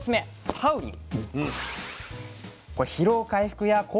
タウリン！